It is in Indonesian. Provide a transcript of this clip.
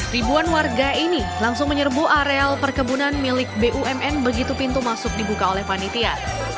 ribuan warga ini langsung menyerbu areal perkebunan milik bumn begitu pintu masuk dibuka oleh panitia